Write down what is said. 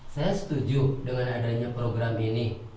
saya setuju dengan adanya program ini